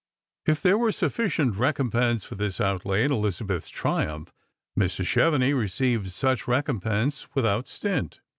If there were sufficient recomjjense for this outlay in Eliza beth's triumph, Mrs. Chevenix received such recompense with out stint.